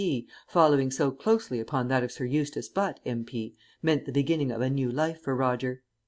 P., following so closely upon that of Sir Eustace Butt, M.P., meant the beginning of a new life for Roger.